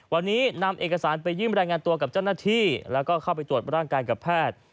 วันนี้นำเอกสารไปยื่นรายงานตัวกับเจ้าหน้าที่แล้วก็เข้าไปตรวจร่างกายกับแพทย์